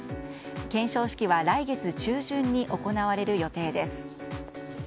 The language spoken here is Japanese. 顕彰式は来月中旬に行われる予定です。